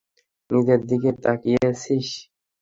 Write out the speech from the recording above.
নিজের দিকে তাকিয়েছিস?